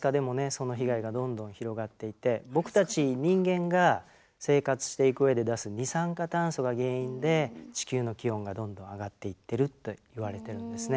その被害がどんどん広がっていて僕たち人間が生活していく上で出す二酸化炭素が原因で地球の気温がどんどん上がっていってると言われてるんですね。